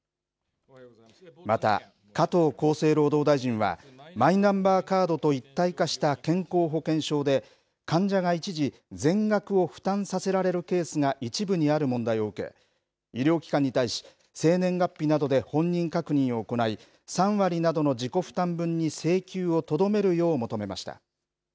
また、加藤厚生労働大臣は、マイナンバーカードと一体化した健康保険証で、患者が一時、全額を負担させられるケースが一部にある問題を受け、医療機関に対し、生年月日などで本人確認を行い、３割などの自己負担分に請求をとどめるよう求めました。